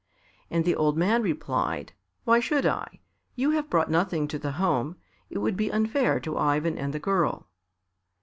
And the old man replied, "Why should I? You have brought nothing to the home. It would be unfair to Ivan and the girl."